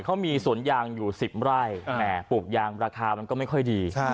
เขามีสวนยางอยู่๑๐ไร่ปลูกยางราคามันก็ไม่ค่อยดี